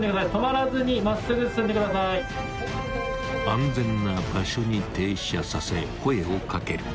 ［安全な場所に停車させ声を掛ける］